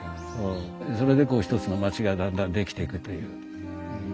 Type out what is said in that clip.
それでこう一つの町がだんだんできていくという。